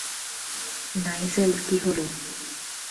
Nigel, কী হলো!